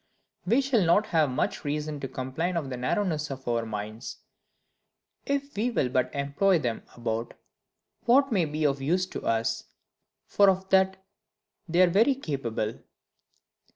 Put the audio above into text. We shall not have much reason to complain of the narrowness of our minds, if we will but employ them about what may be of use to us; for of that they are very capable.